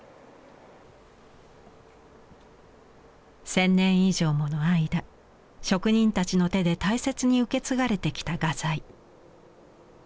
千年以上もの間職人たちの手で大切に受け継がれてきた画材。